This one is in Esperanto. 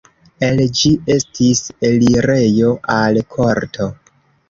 El ĝi estis elirejo al korto.